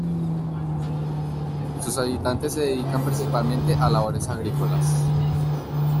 Sus habitantes se dedican principalmente a labores agrícolas.